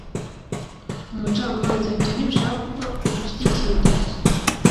umucamanza ibyo ntibishaka kuvuga ko ushyigikiye ingeso